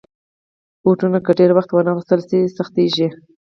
بوټونه که ډېر وخته وانهغوستل شي، سختېږي.